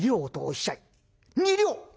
「２両！？